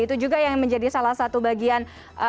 itu juga yang menjadi salah satu bagian